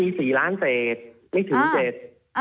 ที่มี๔ล้านเศษไม่ถึง๗